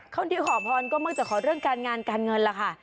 คนที่ขอพรก็มักจะขอเรื่องการงานการเงินล่ะค่ะ